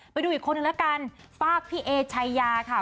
ไปดูอีกคนนึงแล้วกันฝากพี่เอชายาค่ะ